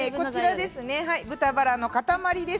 豚バラの塊です。